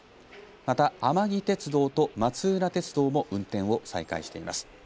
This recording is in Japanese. また甘木鉄道と松浦鉄道も運転を再開しています。